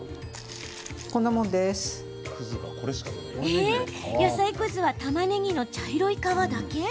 えっ、野菜くずはたまねぎの茶色い皮だけ？